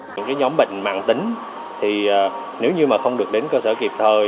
những nhóm bệnh mạng tính thì nếu như mà không được đến cơ sở kịp thời